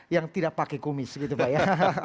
yang tidak pakai kumis gitu pak ya